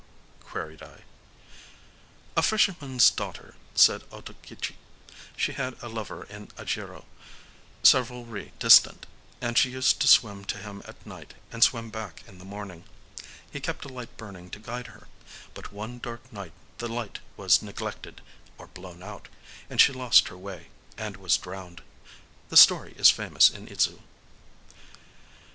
queried I. "A fisherman's daughter," said Otokichi. "She had a lover in Ajiro, several ri distant; and she used to swim to him at night, and swim back in the morning. He kept a light burning to guide her. But one dark night the light was neglected—or blown out; and she lost her way, and was drowned…. The story is famous in Idzu."